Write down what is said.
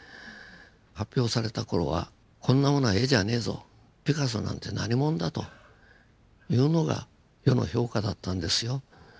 発表された頃はこんなものは絵じゃねえぞピカソなんて何者だというのが世の評価だったんですよ。